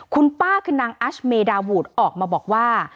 คุณป้าคือนางอัชเมดาวูดออกมาบอกว่า